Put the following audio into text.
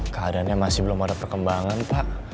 keadaannya masih belum ada perkembangan pak